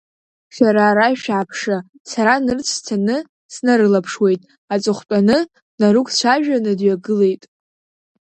Шәара ара шәааԥшы, сара нырцә сцаны снарылаԥшуеит, аҵыхәтәаны днарықәцәажәаны дҩагылеит.